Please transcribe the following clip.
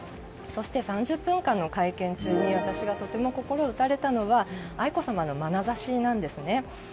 そして３０分間の会見中に私がとても心打たれたのが愛子さまのまなざしなんです。